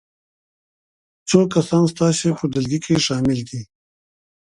څو کسان ستاسو په ډلګي کې شامل دي؟